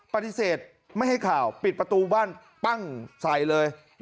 ปฏิเสธไม่ให้ข่าวปิดประตูบ้านปั้งใส่เลย